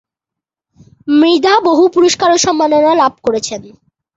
মৃধা বহু পুরস্কার ও সম্মাননা লাভ করেছেন।